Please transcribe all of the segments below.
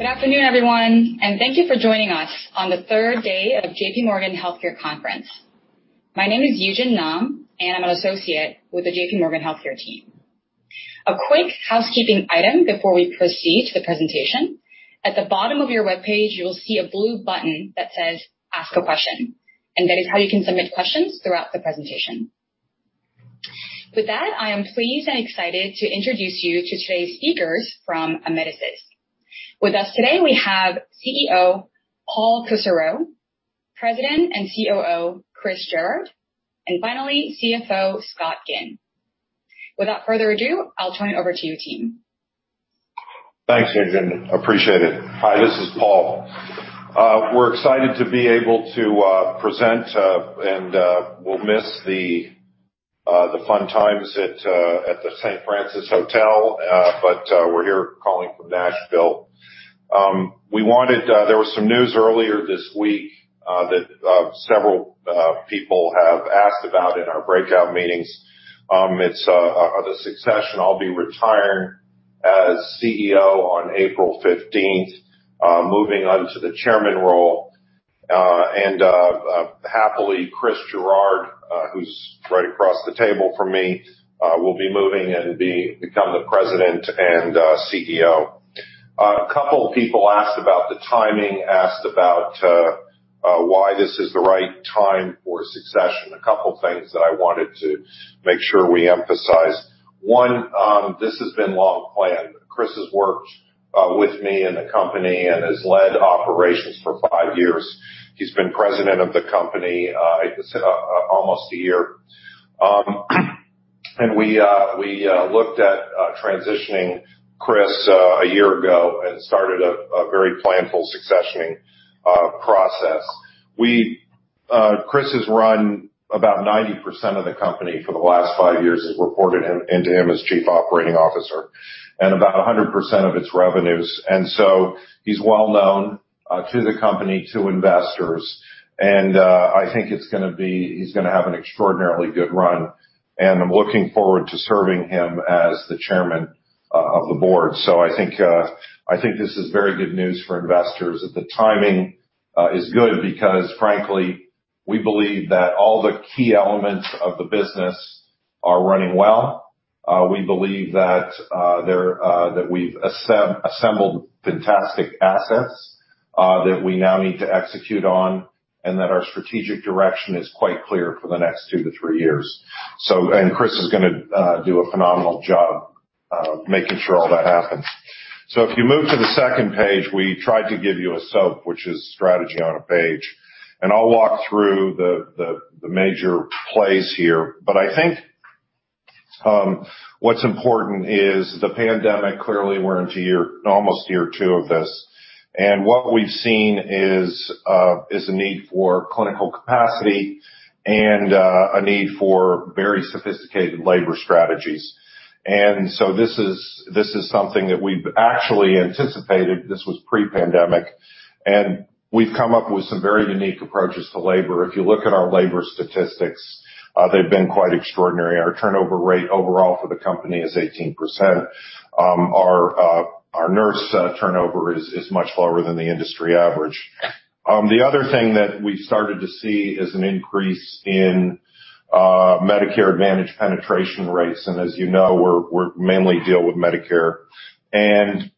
Good afternoon, everyone, and thank you for joining us on the third day of JPMorgan Healthcare Conference. My name is Yoojin Nam, and I'm an associate with the JPMorgan Healthcare team. A quick housekeeping item before we proceed to the presentation. At the bottom of your webpage, you will see a blue button that says Ask a question, and that is how you can submit questions throughout the presentation. With that, I am pleased and excited to introduce you to today's speakers from Amedisys. With us today, we have CEO, Paul Kusserow, President and COO, Chris Gerard, and finally, CFO, Scott Ginn. Without further ado, I'll turn it over to you, team. Thanks, Yoojin. Appreciate it. Hi, this is Paul. We're excited to be able to present, and we'll miss the fun times at the St. Francis Hotel, but we're here calling from Nashville. There was some news earlier this week that several people have asked about in our breakout meetings. It's the succession. I'll be retiring as CEO on April 15th, moving on to the chairman role. Happily, Chris Gerard, who's right across the table from me, will be moving and become the President and CEO. A couple people asked about the timing, asked about why this is the right time for succession. A couple of things that I wanted to make sure we emphasize. This has been long planned. Chris has worked with me in the company and has led operations for five years. He's been President of the company; it's almost a year. We looked at transitioning Chris a year ago and started a very planful successioning process. Chris has run about 90% of the company for the last five years, has reported into him as Chief Operating Officer, and about 100% of its revenues. He's well known to the company, to investors, and I think he's gonna have an extraordinarily good run, and I'm looking forward to serving him as the Chairman of the board. I think this is very good news for investors. That the timing is good because, frankly, we believe that all the key elements of the business are running well. We believe that we've assembled fantastic assets that we now need to execute on, and that our strategic direction is quite clear for the next two to three years. Chris is gonna do a phenomenal job making sure all that happens. If you move to the second page, we tried to give you a SOAP, which is strategy on a page. I'll walk through the major plays here. I think what's important is the pandemic. Clearly, we're into almost year two of this. What we've seen is a need for clinical capacity and a need for very sophisticated labor strategies. This is something that we've actually anticipated. This was pre-pandemic, and we've come up with some very unique approaches to labor. If you look at our labor statistics, they've been quite extraordinary. Our turnover rate overall for the company is 18%. Our nurse turnover is much lower than the industry average. The other thing that we started to see is an increase in Medicare Advantage penetration rates. As you know, we mainly deal with Medicare. We've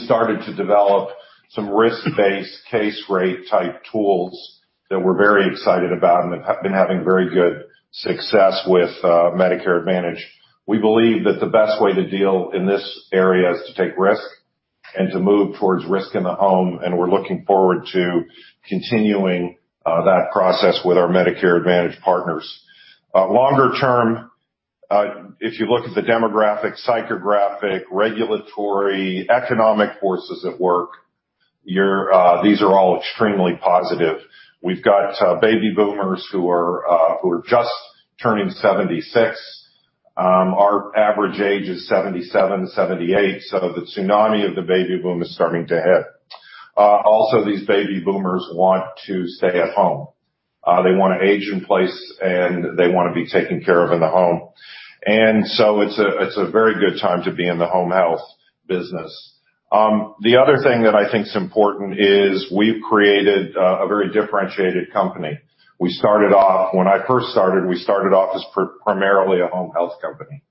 started to develop some risk-based case rate type tools that we're very excited about and have been having very good success with Medicare Advantage. We believe that the best way to deal in this area is to take risk and to move towards risk in the home, and we're looking forward to continuing that process with our Medicare Advantage partners. Longer term, if you look at the demographic, psychographic, regulatory, economic forces at work, these are all extremely positive. We've got baby boomers who are just turning 76. Our average age is 77, 78, so the tsunami of the baby boom is starting to hit. Also these baby boomers want to stay at home. They wanna age in place, and they wanna be taken care of in the home. It's a very good time to be in Home Health business. The other thing that I think is important is we've created a very differentiated company. When I first started, we started off as primarily Home Health company.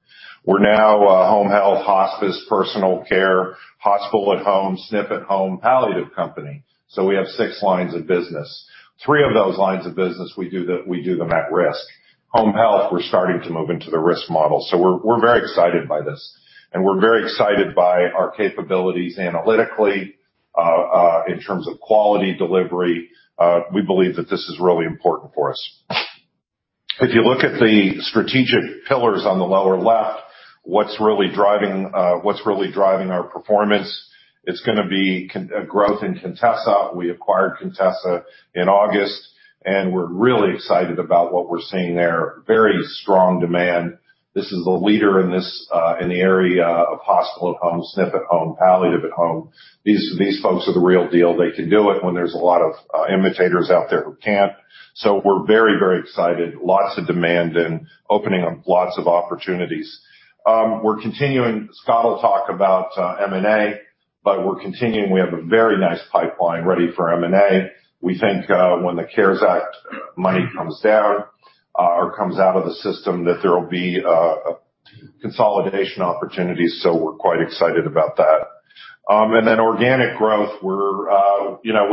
We're now Home Health, Hospice, Personal Care, Hospital at Home, SNF at Home, Palliative company. We have six lines of business. Three of those lines of business we do them at Home Health, we're starting to move into the risk model. We're very excited by this. We're very excited by our capabilities analytically in terms of quality delivery. We believe that this is really important for us. If you look at the strategic pillars on the lower left, what's really driving our performance, it's a growth in Contessa. We acquired Contessa in August, and we're really excited about what we're seeing there. Very strong demand. This is a leader in the area of hospital at home, SNF at Home, Palliative at Home. These folks are the real deal. They can do it when there's a lot of imitators out there who can't. We're very excited, lots of demand and opening up lots of opportunities. We're continuing. Scott will talk about M&A, but we're continuing. We have a very nice pipeline ready for M&A. We think when the CARES Act money comes down or comes out of the system, that there will be consolidation opportunities, so we're quite excited about that. Then organic growth, we're, you know,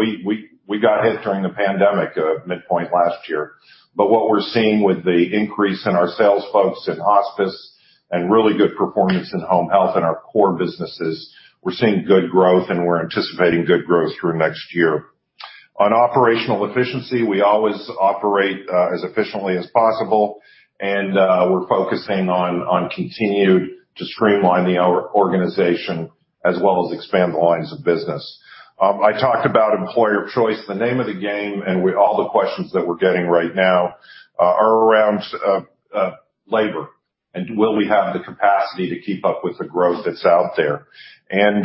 we got hit during the pandemic, midpoint last year. What we're seeing with the increase in our sales folks in Hospice and really good performance Home Health and our core businesses, we're seeing good growth, and we're anticipating good growth through next year. On operational efficiency, we always operate as efficiently as possible, and we're focusing on continuing to streamline the organization as well as expand the lines of business. I talked about employer of choice, the name of the game, and all the questions that we're getting right now are around labor and will we have the capacity to keep up with the growth that's out there. As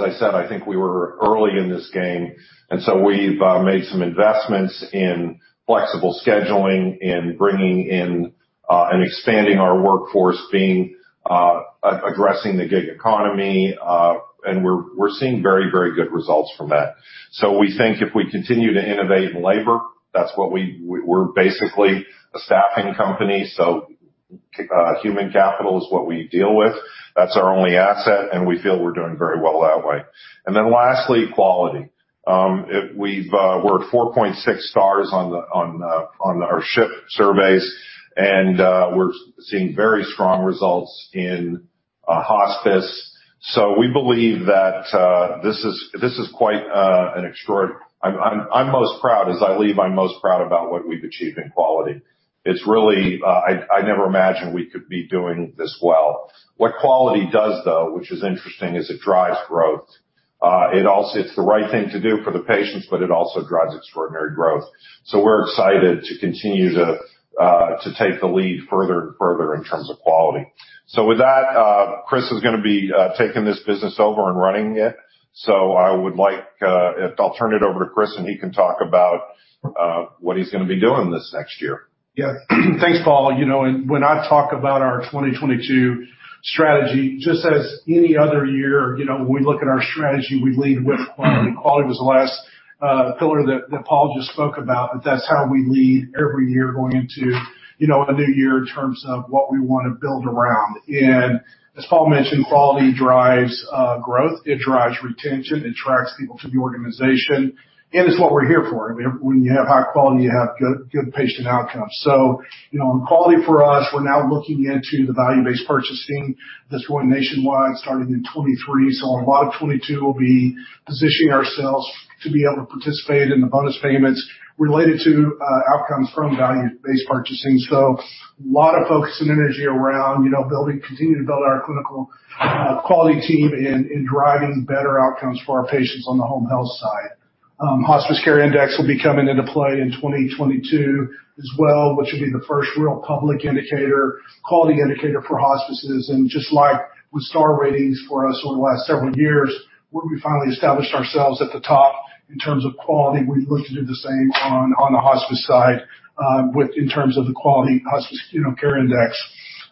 I said, I think we were early in this game, and so we've made some investments in flexible scheduling, in bringing in and expanding our workforce, addressing the gig economy, and we're seeing very good results from that. We think if we continue to innovate in labor, that's what we're basically a staffing company, so human capital is what we deal with. That's our only asset, and we feel we're doing very well that way. Lastly, quality. We're at 4.6 stars on our HHCAHPS surveys, and we're seeing very strong results in Hospice. We believe that this is quite an extraordinary. I'm most proud. As I leave, I'm most proud about what we've achieved in quality. It's really, I never imagined we could be doing this well. What quality does, though, which is interesting, is it drives growth. It also, it's the right thing to do for the patients, but it also drives extraordinary growth. We're excited to continue to take the lead further and further in terms of quality. With that, Chris is gonna be taking this business over and running it. I'll turn it over to Chris, and he can talk about what he's gonna be doing this next year. Yeah. Thanks, Paul. You know, when I talk about our 2022 strategy, just as any other year, you know, when we look at our strategy, we lead with quality. Quality was the last pillar that Paul just spoke about, but that's how we lead every year going into, you know, a new year in terms of what we wanna build around. As Paul mentioned, quality drives growth, it drives retention, it attracts people to the organization, and it's what we're here for. I mean, when you have high quality, you have good patient outcomes. You know, on quality for us, we're now looking into the Value-Based Purchasing that's going nationwide, starting in 2023. A lot of 2022 will be positioning ourselves to be able to participate in the bonus payments related to outcomes from Value-Based Purchasing. A lot of focus and energy around building, continuing to build our clinical quality team in driving better outcomes for our patients on Home Health side. Hospice Care Index will be coming into play in 2022 as well, which will be the first real public quality indicator for Hospices. Just like with star ratings for us over the last several years, where we finally established ourselves at the top in terms of quality, we look to do the same on the Hospice side in terms of the quality Hospice Care Index.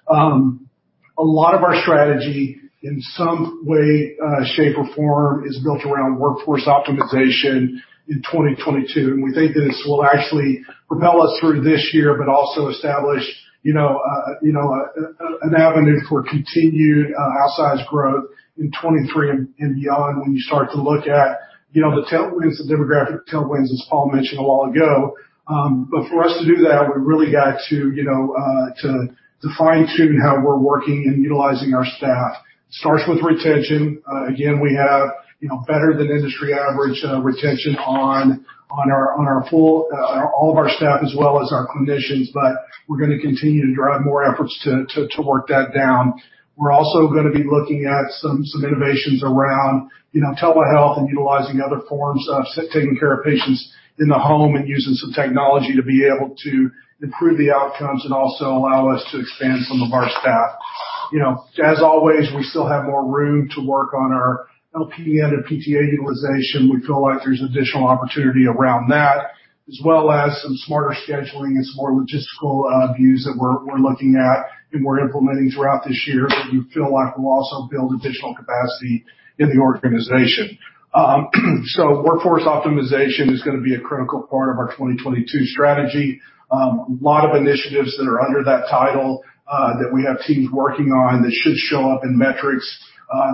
A lot of our strategy in some way, shape or form is built around workforce optimization in 2022, and we think that this will actually propel us through this year but also establish, you know, an avenue for continued, outsized growth in 2023 and beyond when you start to look at, you know, the tailwinds, the demographic tailwinds, as Paul mentioned a while ago. For us to do that, we really got to, you know, to fine-tune how we're working and utilizing our staff. It starts with retention. Again, we have, you know, better than industry average retention on our full all of our staff as well as our clinicians, but we're gonna continue to drive more efforts to work that down. We're also gonna be looking at some innovations around, you know, telehealth and utilizing other forms of taking care of patients in the home and using some technology to be able to improve the outcomes and also allow us to expand some of our staff. You know, as always, we still have more room to work on our LPN and PTA utilization. We feel like there's additional opportunity around that as well as some smarter scheduling and some more logistical views that we're looking at and we're implementing throughout this year that we feel like will also build additional capacity in the organization. Workforce optimization is gonna be a critical part of our 2022 strategy. A lot of initiatives that are under that title that we have teams working on that should show up in metrics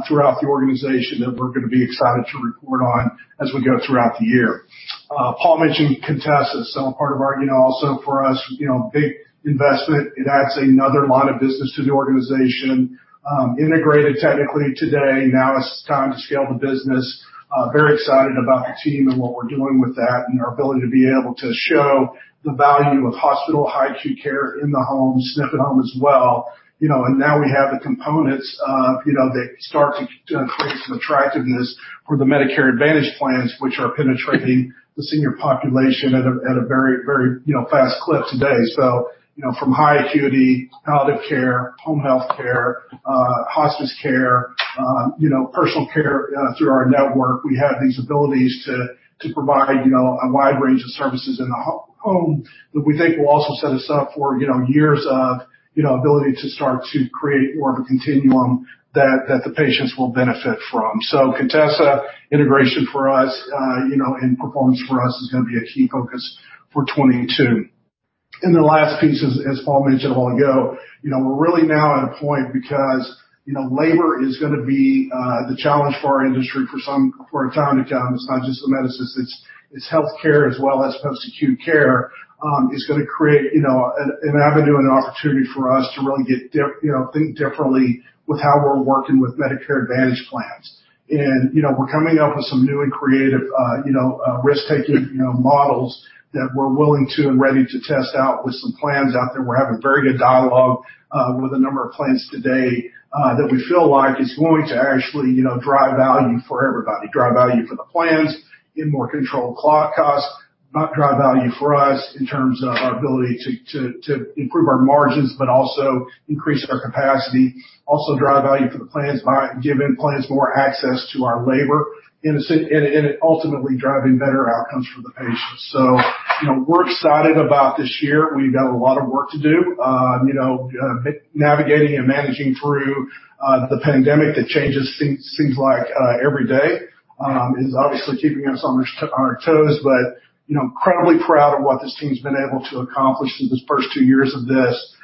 throughout the organization that we're gonna be excited to report on as we go throughout the year. Paul mentioned Contessa. Part of our, you know, also for us, you know, big investment. It adds another line of business to the organization, integrated technically today. Now it's time to scale the business. Very excited about the team and what we're doing with that and our ability to be able to show the value of Hospital at Home, High Acuity Care in the home, SNF at Home as well. You know, now we have the components of, you know, that start to increase the attractiveness for the Medicare Advantage plans, which are penetrating the senior population at a very fast clip today. You know, from High Acuity, Palliative Home Health Care, Hospice Care, you know, Personal Care, through our network, we have these abilities to provide, you know, a wide range of services in the home that we think will also set us up for, you know, years of, you know, ability to start to create more of a continuum that the patients will benefit from. Contessa integration for us, you know, and performance for us is gonna be a key focus for 2022. The last piece, as Paul mentioned a while ago, you know, we're really now at a point because, you know, labor is gonna be the challenge for our industry for a time to come. It's not just the medicines, it's healthcare as well as post-acute care is gonna create, you know, an avenue and opportunity for us to really think differently with how we're working with Medicare Advantage plans. You know, we're coming up with some new and creative, you know, risk-taking, you know, models that we're willing to and ready to test out with some plans out there. We're having very good dialogue with a number of plans today that we feel like is going to actually, you know, drive value for everybody. Drive value for the plans, get more controlled clock costs, not drive value for us in terms of our ability to improve our margins, but also increase our capacity. Also drive value for the plans by giving plans more access to our labor, and it ultimately driving better outcomes for the patients. You know, we're excited about this year. We've got a lot of work to do. Navigating and managing through the pandemic that changes seems like every day is obviously keeping us on our toes. You know, incredibly proud of what this team's been able to accomplish through these first two years of this.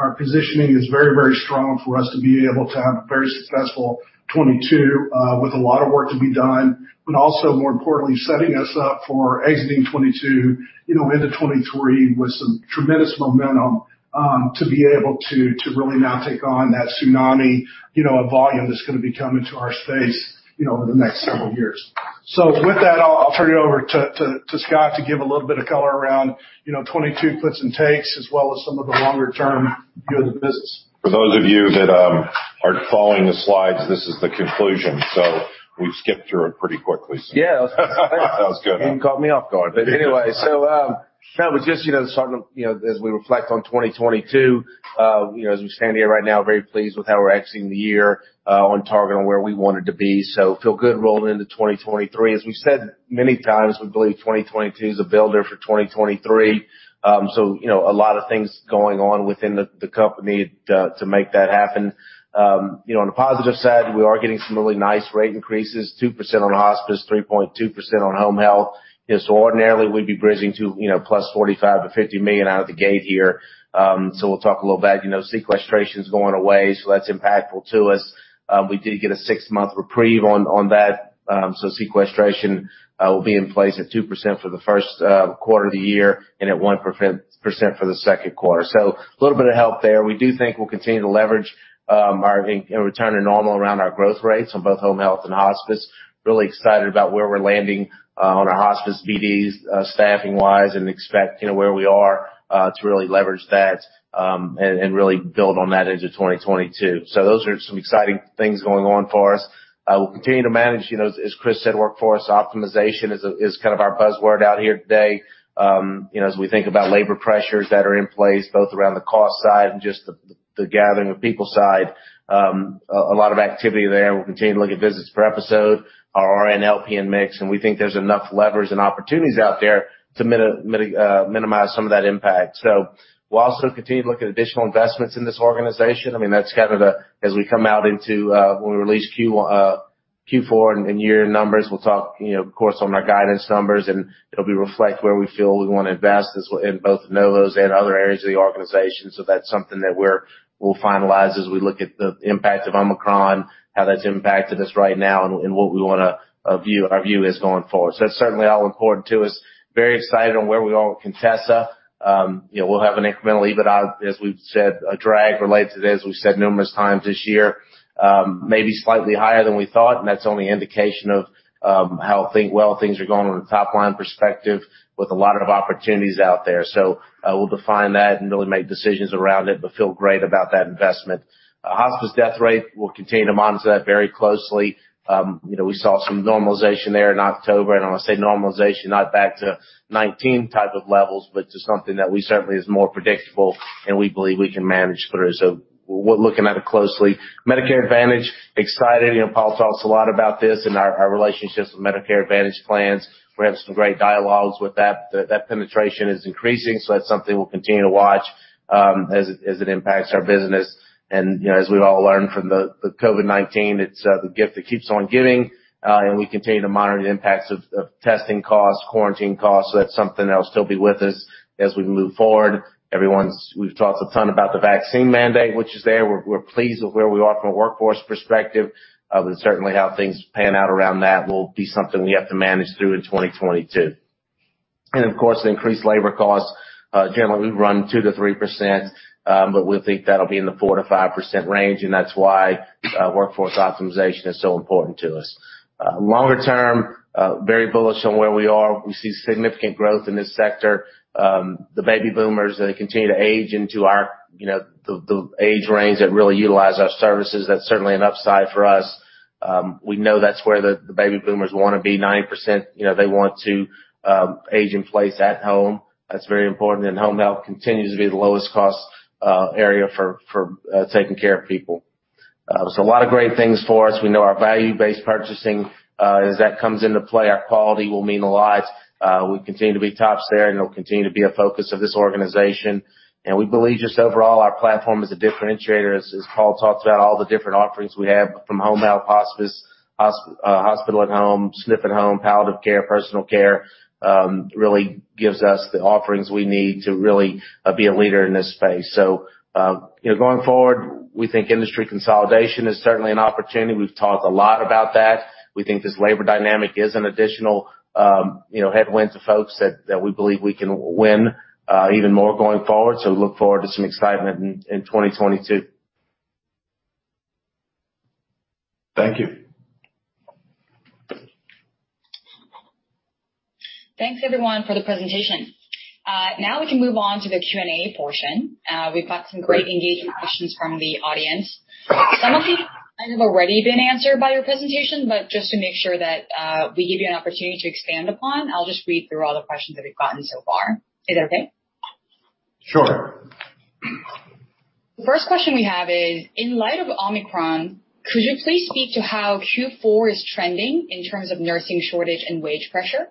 Our positioning is very, very strong for us to be able to have a very successful 2022, with a lot of work to be done, but also more importantly, setting us up for exiting 2022, you know, into 2023 with some tremendous momentum, to be able to really now take on that tsunami, you know, of volume that's gonna be coming to our space, you know, over the next several years. With that, I'll turn it over to Scott to give a little bit of color around, you know, 2022 puts and takes, as well as some of the longer term view of the business. For those of you that aren't following the slides, this is the conclusion. We've skipped through it pretty quickly. Yeah. Sounds good. You caught me off guard. Anyway, yeah, it was just you know starting to you know as we reflect on 2022 you know as we stand here right now very pleased with how we're exiting the year on target on where we wanted to be. Feel good rolling into 2023. As we've said many times, we believe 2022 is a builder for 2023. You know a lot of things going on within the company to make that happen. You know on the positive side we are getting some really nice rate increases 2% on Hospice 3.2% Home Health. you know ordinarily we'd be bridging to you know plus $45 million-$50 million out of the gate here. We'll talk a little about, you know, sequestration's going away, so that's impactful to us. We did get a six-month reprieve on that. Sequestration will be in place at 2% for the Q1 of the year and at 1% for the Q2. A little bit of help there. We do think we'll continue to leverage our and return to normal around our growth rates on Home Health and Hospice. Really excited about where we're landing on our Hospice BDs staffing-wise, and expect you know where we are to really leverage that and really build on that into 2022. Those are some exciting things going on for us. We'll continue to manage you know as Chris said, workforce optimization is kind of our buzzword out here today. You know, as we think about labor pressures that are in place, both around the cost side and just the gathering of people side. A lot of activity there. We'll continue to look at visits per episode, our RN-LPN mix, and we think there's enough levers and opportunities out there to minimize some of that impact. We'll also continue to look at additional investments in this organization. I mean, that's kind of the. As we come out into when we release Q4 and year numbers, we'll talk, you know, of course, on our guidance numbers, and it'll reflect where we feel we wanna invest as in both de novos and other areas of the organization. That's something that we'll finalize as we look at the impact of Omicron, how that's impacted us right now and what we wanna view, our view is going forward. That's certainly all important to us. We're very excited on where we are with Contessa. We'll have an incremental EBITDA, as we've said, a drag related to this, as we've said numerous times this year. Maybe slightly higher than we thought, and that's only indication of how things are going on the top line perspective with a lot of opportunities out there. We'll define that and really make decisions around it, but feel great about that investment. Hospice death rate, we'll continue to monitor that very closely. You know, we saw some normalization there in October, and when I say normalization, not back to 2019 type of levels, but to something that we certainly is more predictable and we believe we can manage through. We're looking at it closely. Medicare Advantage. Excited. You know, Paul talks a lot about this and our relationships with Medicare Advantage plans. We're having some great dialogues with that. That penetration is increasing, so that's something we'll continue to watch as it impacts our business. You know, as we've all learned from the COVID-19, it's the gift that keeps on giving. We continue to monitor the impacts of testing costs, quarantine costs. That's something that'll still be with us as we move forward. We've talked a ton about the vaccine mandate, which is there. We're pleased with where we are from a workforce perspective. Certainly how things pan out around that will be something we have to manage through in 2022. Of course, the increased labor costs. Generally, we run 2%-3%, but we think that'll be in the 4%-5% range, and that's why workforce optimization is so important to us. Longer term, very bullish on where we are. We see significant growth in this sector. The baby boomers, they continue to age into our, you know, the age range that really utilize our services. That's certainly an upside for us. We know that's where the baby boomers wanna be. 90%, you know, they want to age in place at home. That's very important, Home Health continues to be the lowest cost area for taking care of people. A lot of great things for us. We know our Value-Based Purchasing, as that comes into play, our quality will mean a lot. We continue to be tops there, and it'll continue to be a focus of this organization. We believe just overall, our platform is a differentiator. As Paul talked about all the different offerings we have Home Health, Hospice, Hospital at Home, SNF at Home, Palliative Care, Personal Care, really gives us the offerings we need to really be a leader in this space. You know, going forward, we think industry consolidation is certainly an opportunity. We've talked a lot about that. We think this labor dynamic is an additional, you know, headwind to folks that we believe we can win even more going forward. Look forward to some excitement in 2022. Thank you. Thanks, everyone, for the presentation. Now we can move on to the Q&A portion. We've got some great engagement questions from the audience. Some of these might have already been answered by your presentation, but just to make sure that, we give you an opportunity to expand upon, I'll just read through all the questions that we've gotten so far. Is that okay? Sure. The first question we have is, in light of Omicron, could you please speak to how Q4 is trending in terms of nursing shortage and wage pressure?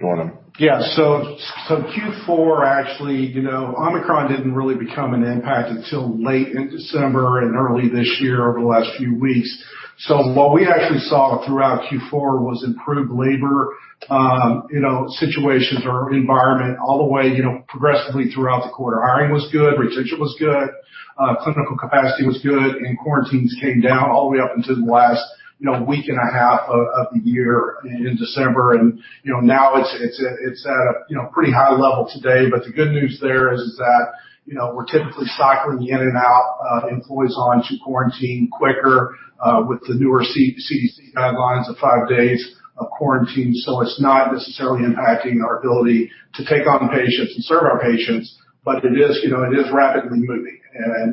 You want them? Q4 actually, you know, Omicron didn't really become an impact until late in December and early this year over the last few weeks. What we actually saw throughout Q4 was improved labor, you know, situations or environment all the way, you know, progressively throughout the quarter. Hiring was good, retention was good, clinical capacity was good, and quarantines came down all the way up into the last, you know, week and a half of the year in December. You know, now it's at a, you know, pretty high level today. The good news there is that, you know, we're typically cycling in and out employees onto quarantine quicker with the newer CDC guidelines of five days of quarantine. It's not necessarily impacting our ability to take on patients and serve our patients, but it is, you know, it is rapidly moving.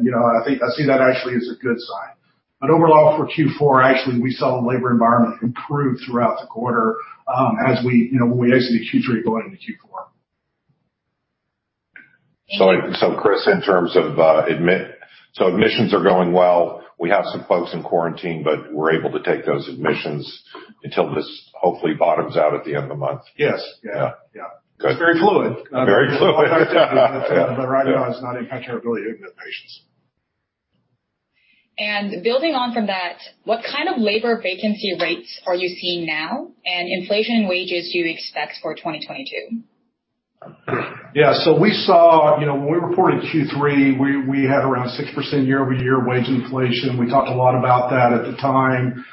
You know, I think I see that actually as a good sign. Overall, for Q4, actually, we saw the labor environment improve throughout the quarter, as we, you know, when we exited Q3 going into Q4. Chris, admissions are going well. We have some folks in quarantine, but we're able to take those admissions until this hopefully bottoms out at the end of the month. Yes. Yeah. Yeah. Good. It's very fluid. Very fluid. Right now, it's not impacting our ability to admit patients. Building on from that, what kind of labor vacancy rates are you seeing now, and inflation in wages do you expect for 2022? Yeah. We saw, you know, when we reported Q3, we had around 6% year-over-year wage inflation. We talked a lot about that at the time.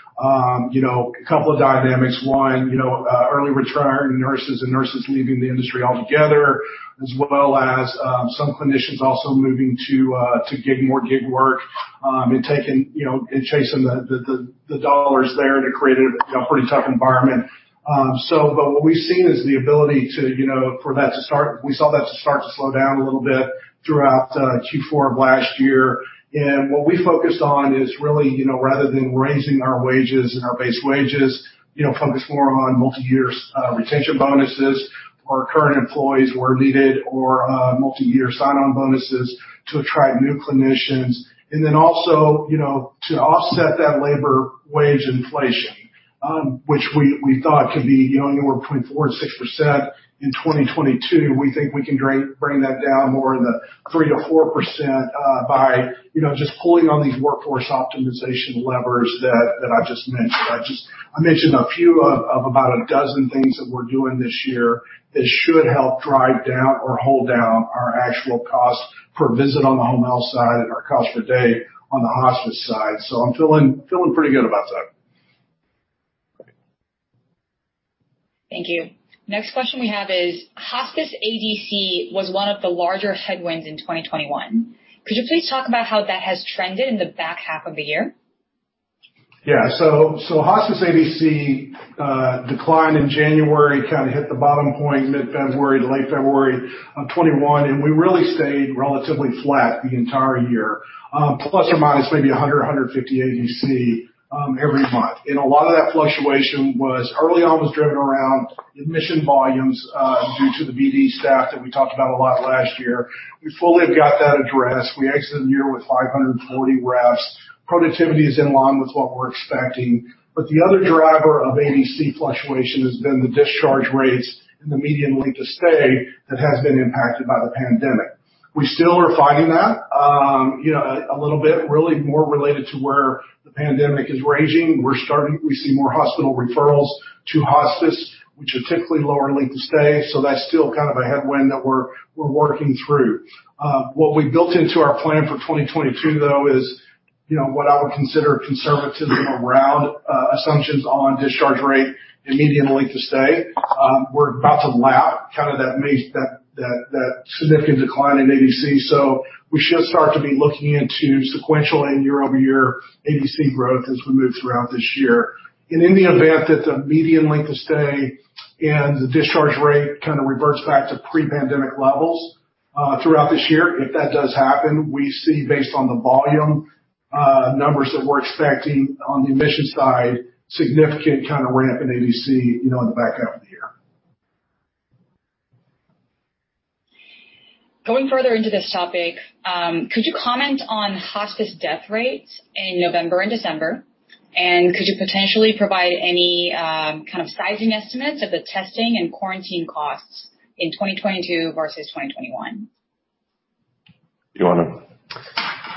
You know, a couple of dynamics. One, you know, early retiring nurses and nurses leaving the industry altogether, as well as some clinicians also moving to more gig work, and taking, you know, and chasing the dollars there to create a pretty tough environment. But what we've seen is the ability to, you know, for that to start. We saw that start to slow down a little bit throughout Q4 of last year. What we focused on is really, you know, rather than raising our wages and our base wages, you know, focus more on multi-year retention bonuses for our current employees where needed or, multi-year sign-on bonuses to attract new clinicians. To offset that labor wage inflation, which we thought could be, you know, anywhere 4%-6% in 2022. We think we can bring that down more in the 3%-4%, by, you know, just pulling on these workforce optimization levers that I just mentioned. I mentioned a few of about a dozen things that we're doing this year that should help drive down or hold down our actual cost per visit on Home Health side and our cost per day on the Hospice side. I'm feeling pretty good about that. Thank you. Next question we have is, Hospice ADC was one of the larger headwinds in 2021. Could you please talk about how that has trended in the back half of the year? Hospice ADC declined in January, kinda hit the bottom point mid-February to late February of 2021, and we really stayed relatively flat the entire year, plus or minus maybe 100, 150 ADC every month. A lot of that fluctuation early on was driven around admission volumes due to the BD staff that we talked about a lot last year. We fully have got that addressed. We exited the year with 540 reps. Productivity is in line with what we're expecting. The other driver of ADC fluctuation has been the discharge rates and the median length of stay that has been impacted by the pandemic. We still are finding that, you know, a little bit really more related to where the pandemic is raging. We see more hospital referrals to Hospice, which are typically lower length of stay. That's still kind of a headwind that we're working through. What we built into our plan for 2022, though, is what I would consider conservative around assumptions on discharge rate and median length of stay. We're about to lap kinda that significant decline in ADC. We should start to be looking into sequential and year-over-year ADC growth as we move throughout this year. In the event that the median length of stay and the discharge rate kinda reverts back to pre-pandemic levels, throughout this year, if that does happen, we see based on the volume, numbers that we're expecting on the admission side, significant kinda ramp in ADC, in the back half of the year. Going further into this topic, could you comment on Hospice death rates in November and December? Could you potentially provide any, kind of sizing estimates of the testing and quarantine costs in 2022 versus 2021? You wanna?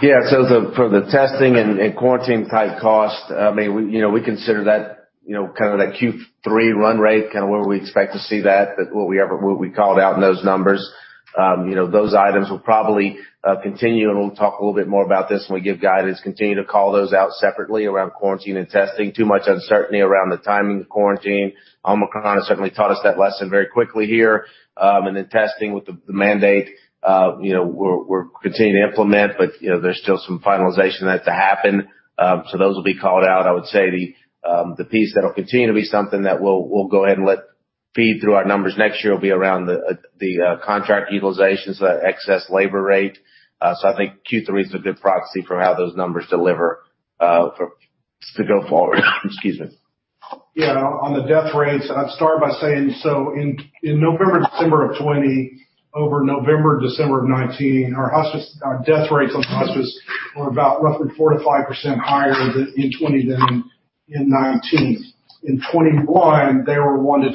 Yeah. For the testing and quarantine type cost, I mean, we you know we consider that you know kind of that Q3 run rate kinda where we expect to see that, but what we called out in those numbers. You know, those items will probably continue, and we'll talk a little bit more about this when we give guidance. Continue to call those out separately around quarantine and testing. Too much uncertainty around the timing of quarantine. Omicron has certainly taught us that lesson very quickly here. Testing with the mandate, you know, we're continuing to implement, but you know, there's still some finalization that's to happen. Those will be called out. I would say the piece that'll continue to be something that we'll go ahead and let feed through our numbers next year will be around the contract utilizations, that excess labor rate. I think Q3 is a good proxy for how those numbers deliver to go forward. Excuse me. Yeah. On the death rates, I'd start by saying, in November and December of 2020, over November and December of 2019, our death rates on Hospice were about roughly 4%-5% higher in 2020 than in 2019. In 2021, they were 1%-2%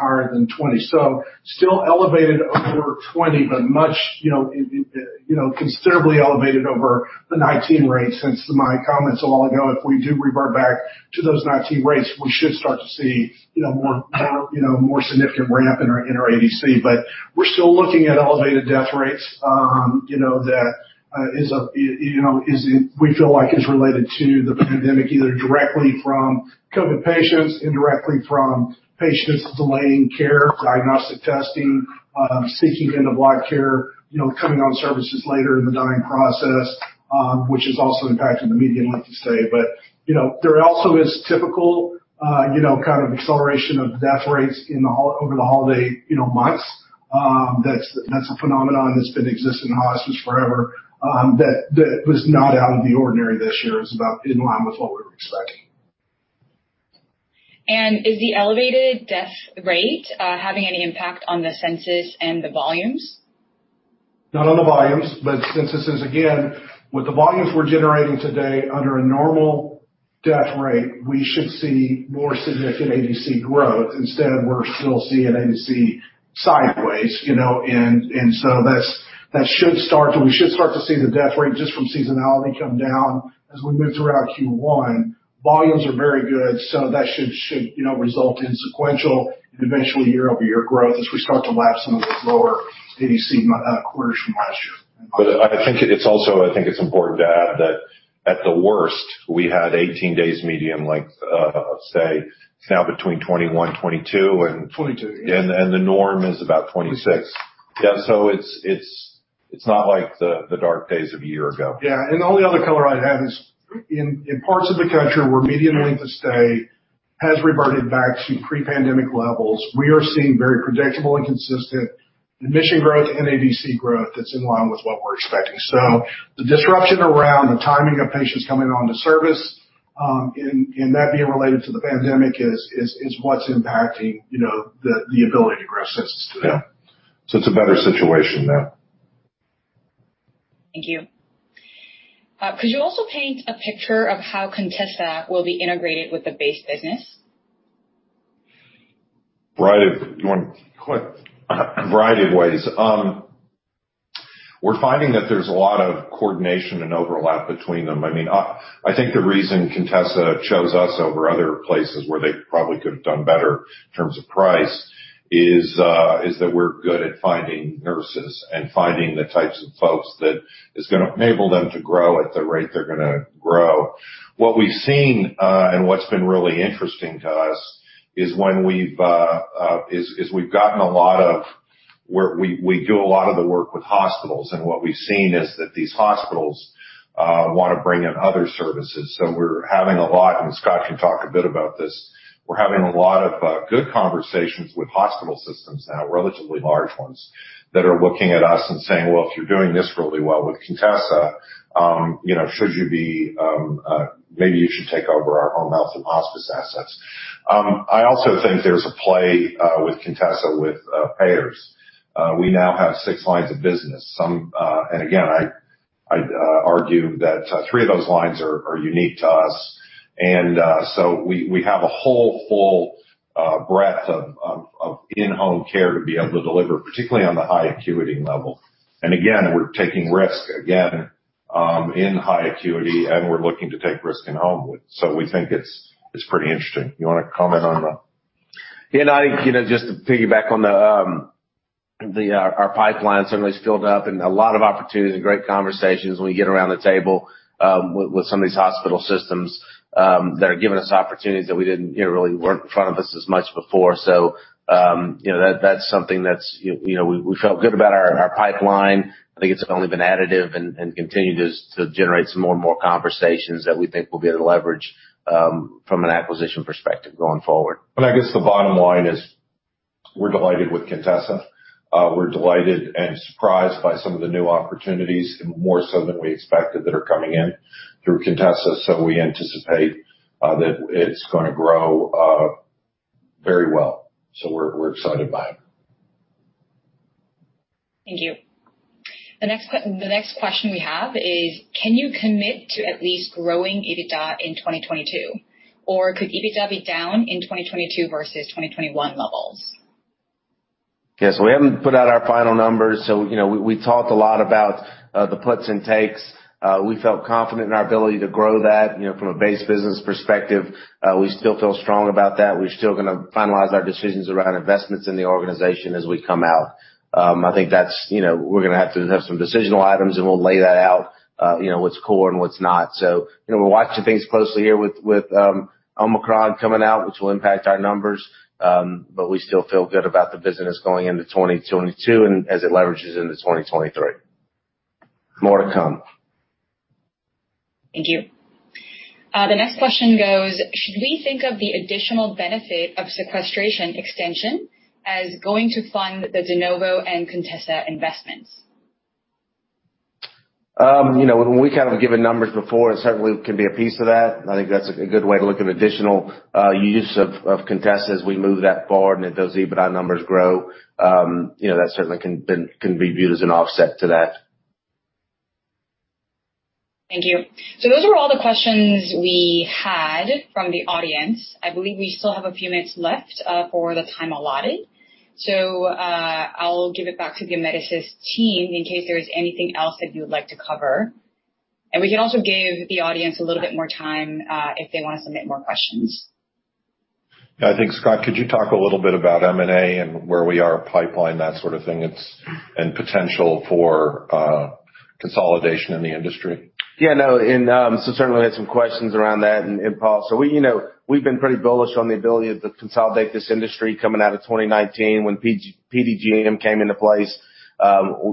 higher than 2020. Still elevated over 2020, but much, you know, considerably elevated over the 2019 rates. Since my comments a while ago, if we do revert back to those 2019 rates, we should start to see, you know, more significant ramp in our ADC. We're still looking at elevated death rates, you know, that we feel like is related to the pandemic, either directly from COVID patients, indirectly from patients delaying care, diagnostic testing, seeking end-of-life care, you know, coming on services later in the dying process, which is also impacting the median length of stay. You know, there also is typical, you know, kind of acceleration of death rates over the holiday, you know, months. That's a phenomenon that's been existing in Hospice forever, that was not out of the ordinary this year. It's about in line with what we were expecting. Is the elevated death rate having any impact on the census and the volumes? Not on the volumes, but census is again, with the volumes we're generating today, under a normal death rate, we should see more significant ADC growth. Instead, we're still seeing ADC sideways, you know. We should start to see the death rate just from seasonality come down as we move throughout Q1. Volumes are very good, so that should, you know, result in sequential and eventually year-over-year growth as we start to lap some of those lower ADC quarters from last year. I think it's important to add that at the worst, we had 18 days median length of stay. It's now between 2021, 2022 and- 2022. The norm is about 2026. Yeah. It's not like the dark days of a year ago. Yeah. The only other color I'd add is in parts of the country where median length of stay has reverted back to pre-pandemic levels, we are seeing very predictable and consistent admission growth and ADC growth that's in line with what we're expecting. The disruption around the timing of patients coming onto service, and that being related to the pandemic is what's impacting, you know, the ability to grow census today. Yeah. It's a better situation now. Thank you. Could you also paint a picture of how Contessa will be integrated with the base business? Do you wanna? Go ahead. Variety of ways. We're finding that there's a lot of coordination and overlap between them. I mean, I think the reason Contessa chose us over other places where they probably could have done better in terms of price is that we're good at finding nurses and finding the types of folks that is gonna enable them to grow at the rate they're gonna grow. What we've seen and what's been really interesting to us is when we've gotten a lot of work where we do a lot of the work with hospitals, and what we've seen is that these hospitals wanna bring in other services. We're having a lot of good conversations with hospital systems now, relatively large ones, that are looking at us and saying, "Well, if you're doing this really well with Contessa, you know, maybe you should take over Home Health and Hospice assets." I also think there's a play with Contessa, with payers. We now have six lines of business. Again, I'd argue that three of those lines are unique to us. We have a whole full breadth of in-home care to be able to deliver, particularly on the High Acuity level. We're taking risk again in High Acuity, and we're looking to take risk in home. We think it's pretty interesting. You wanna comment on the- Yeah. I think you know just to piggyback on our pipeline certainly is filled up and a lot of opportunities and great conversations when we get around the table with some of these hospital systems that are giving us opportunities that we didn't you know really have in front of us as much before. You know that's something that's you know we felt good about our pipeline. I think it's only been additive and continue to generate some more and more conversations that we think will be able to leverage from an acquisition perspective going forward. I guess the bottom line is we're delighted with Contessa. We're delighted and surprised by some of the new opportunities and more so than we expected that are coming in through Contessa. We anticipate that it's gonna grow. Very well. We're excited by it. Thank you. The next question we have is, can you commit to at least growing EBITDA in 2022 or could EBITDA be down in 2022 versus 2021 levels? Yes. We haven't put out our final numbers, so you know, we talked a lot about the puts and takes. We felt confident in our ability to grow that, you know, from a base business perspective. We still feel strong about that. We're still gonna finalize our decisions around investments in the organization as we come out. I think that's you know, we're gonna have to have some decisional items, and we'll lay that out you know, what's core and what's not. You know, we're watching things closely here with Omicron coming out, which will impact our numbers. We still feel good about the business going into 2022 and as it leverages into 2023. More to come. Thank you. The next question goes: Should we think of the additional benefit of sequestration extension as going to fund the de novo and Contessa investments? You know, when we kind of given numbers before, it certainly can be a piece of that. I think that's a good way to look at additional use of Contessa as we move that forward and as those EBITDA numbers grow. You know, that certainly can be viewed as an offset to that. Thank you. Those are all the questions we had from the audience. I believe we still have a few minutes left, for the time allotted. I'll give it back to the Amedisys team in case there is anything else that you would like to cover. We can also give the audience a little bit more time, if they wanna submit more questions. Yeah, I think, Scott, could you talk a little bit about M&A and where our pipeline is, that sort of thing, potential for consolidation in the industry? Yeah, no. We certainly had some questions around that and Paul. We, you know, we've been pretty bullish on the ability to consolidate this industry coming out of 2019 when PDGM came into place.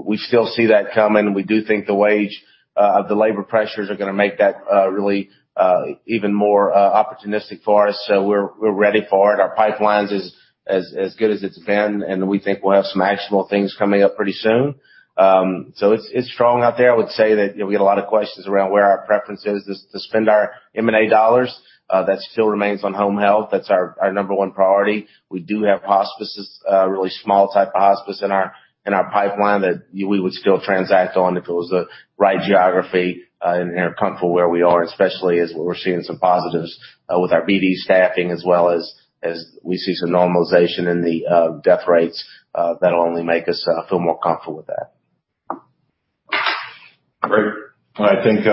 We still see that coming. We do think the wage and labor pressures are gonna make that really even more opportunistic for us. We're ready for it. Our pipeline is as good as it's been, and we think we'll have some actionable things coming up pretty soon. It's strong out there. I would say that, you know, we get a lot of questions around where our preference is to spend our M&A dollars. That still remains Home Health. that's our number one priority. We do have Hospices, really small type of Hospice in our pipeline that we would still transact on if it was the right geography, and are comfortable where we are, and especially as we're seeing some positives with our BD staffing as well as we see some normalization in the death rates, that'll only make us feel more comfortable with that. Great.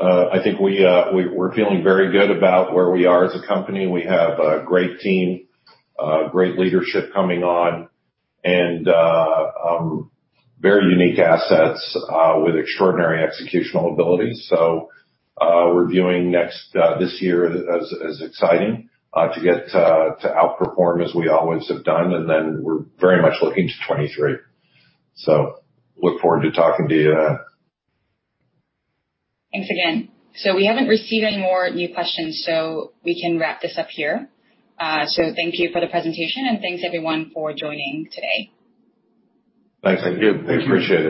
I think we're feeling very good about where we are as a company. We have a great team, great leadership coming on, and very unique assets with extraordinary executional ability. We're viewing next year as exciting to get to outperform as we always have done. We're very much looking to 2023. Look forward to talking to you then. Thanks again. We haven't received any more new questions, so we can wrap this up here. Thank you for the presentation and thanks everyone for joining today. Thanks again. I appreciate it.